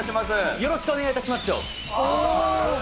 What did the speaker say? よろしくお願いいたしマッチョ。